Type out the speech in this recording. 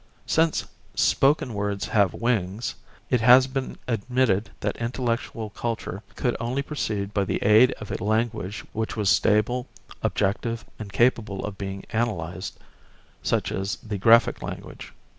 Since "spoken words have wings" it has been admitted that intellectual culture could only proceed by the aid of a language which was stable, objective, and capable of being analysed, such as the graphic language.